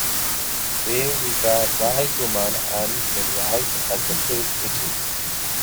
They regard wise women and midwives as the first witches.